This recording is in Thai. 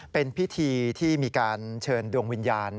เป็นพิธีที่มีการเชิญดวงวิญญาณ